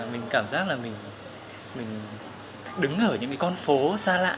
mình cảm giác là mình đứng ở những cái con phố xa lạ